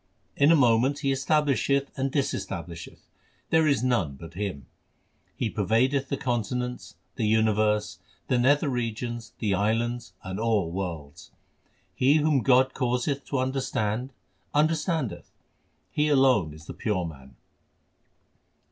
In a moment He establisheth and disestablisheth ; there is none but Him. He pervadeth the continents, the universe, the nether regions, the islands, and all worlds. He whom God causeth to understand understandeth ; he alone is the pure man.